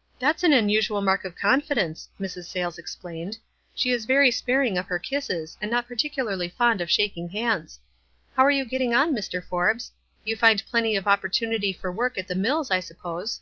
" That's an unusual mark of confidence," Mrs. Sayles explained. "She is very sparing of her kisses, and not particularly fond of shaking hands. How are j^ou getting on, Mr. Forbes? You find plenty of opportunity for work at the mills, I suppose?"